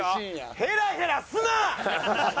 ヘラヘラすな！